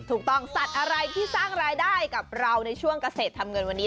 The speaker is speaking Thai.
ถูกต้องสัตว์อะไรที่สร้างรายได้กับเราในช่วงกระเศษทำเงินวันนี้